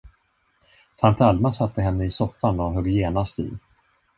Tant Alma satte henne i soffan och högg genast i.